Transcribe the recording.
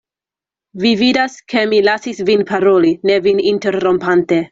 Vi vidas, ke mi lasis vin paroli, ne vin interrompante.